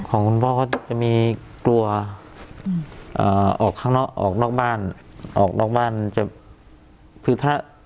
ของคุณพ่อเขาจะมีกลัวออกข้างนอกออกนอกบ้านออกนอกบ้านจะคือถ้า